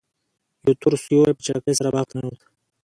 یو تور سیوری په چټکۍ سره باغ ته ننوت.